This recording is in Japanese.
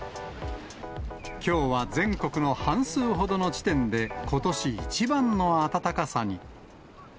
きょうは全国の半数ほどの地点で、ことし一番の暖かさに。